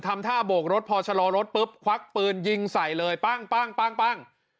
ท่าโบกรถพอชะลอรถปุ๊บควักปืนยิงใส่เลยปั้งปั้งปั้งปั้ง